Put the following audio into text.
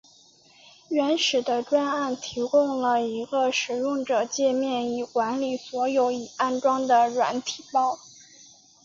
原始的专案提供了一个使用者介面以管理所有已安装的软体包。